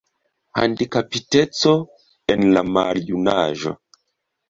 Handikapiteco en la maljunaĝo.